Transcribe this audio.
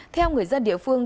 theo người dân địa phương